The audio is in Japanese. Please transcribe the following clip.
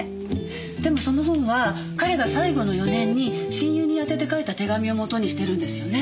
でもその本は彼が最後の４年に親友にあてて書いた手紙を元にしてるんですよね。